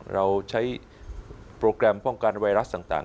เราใช้โปรแกรมป้องกันไวรัสต่าง